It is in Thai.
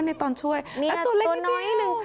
อ่อในตอนช่วยอ่ะตูลเล็กนิดเดียวอัตตัวน้อยหนึ่ง